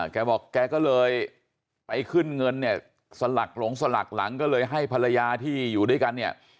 แกบอกแกก็เลยไปขึ้นเงินเนี่ยสลักหลงสลักหลังก็เลยให้ภรรยาที่อยู่ด้วยกันเนี่ย